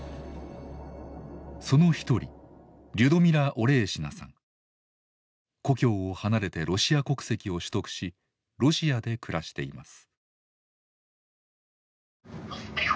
その一人故郷を離れてロシア国籍を取得しロシアで暮らしています。